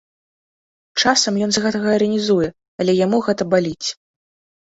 Часам ён з гэтага іранізуе, але яму гэта баліць.